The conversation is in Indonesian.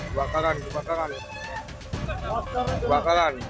kebakaran kebakaran kebakaran